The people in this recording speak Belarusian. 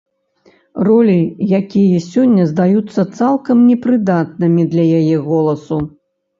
Ролі, якія сёння здаюцца цалкам непрыдатнымі для яе голасу.